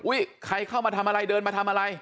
ใครเข้ามาทำอะไรเดินมาทำอะไร